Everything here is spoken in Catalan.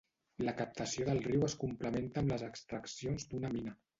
La captació del riu es complementa amb les extraccions d’una mina.